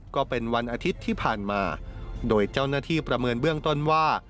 ก็เป็นวันอาทิตย์ที่ผ่านมาโดยเจ้าหน้าที่ประเมินเบื้องต้นว่า